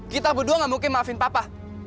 kita berdua gak mungkin maafin papa